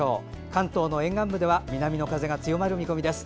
関東の沿岸部では南風が強まる見込みです。